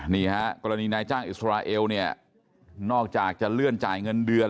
นี่ฮะกรณีนายจ้างอิสราเอลเนี่ยนอกจากจะเลื่อนจ่ายเงินเดือน